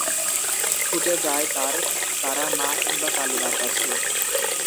ছুটে যায় তার তারা মা কিংবা কালী মার কাছে।